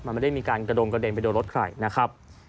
มันไม่ได้มีการกระดงกระเด็นไปโดนรถใครนะครับ